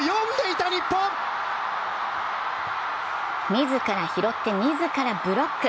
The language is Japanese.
自ら拾って、自らブロック。